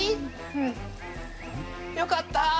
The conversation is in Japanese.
うん！よかった！